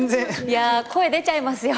いや声出ちゃいますよ。